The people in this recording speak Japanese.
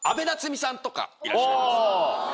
さんとかいらっしゃいます。